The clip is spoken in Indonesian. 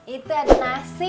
itu ada nasi